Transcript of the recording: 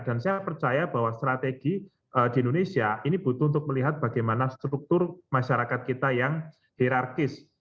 dan saya percaya bahwa strategi di indonesia ini butuh untuk melihat bagaimana struktur masyarakat kita yang hierarkis